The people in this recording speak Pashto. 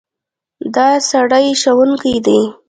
دا سړی ښوونکی دی.